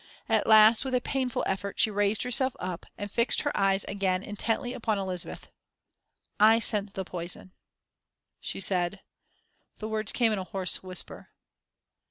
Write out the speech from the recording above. At last, with a painful effort, she raised herself up, and fixed her eyes again intently upon Elizabeth. "I sent the poison," she said. The words came in a hoarse whisper.